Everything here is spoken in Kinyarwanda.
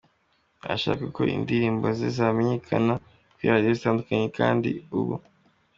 ashake uko indirimbo ze zamenyekana kuri radiyo zitandukanye kandi ubu.